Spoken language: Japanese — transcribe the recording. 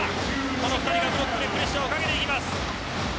この２人がブロックでプレッシャーをかけています。